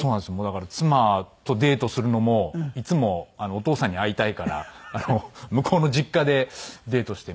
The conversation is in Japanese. だから妻とデートするのもいつもお義父さんに会いたいから向こうの実家でデートしてましたね。